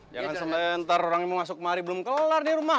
jangan sebentar orangnya mau masuk kemari belum kelar di rumah